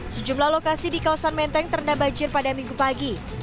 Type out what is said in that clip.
sejumlah lokasi di kawasan menteng terendam banjir pada minggu pagi